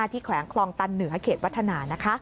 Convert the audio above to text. ที่แขวงคลองตันเหนือเขตวัฒนานะคะ